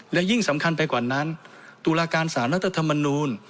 และยิ่งสำคัญไปกว่านั้นตุลาการสารรัฐธรรมนูล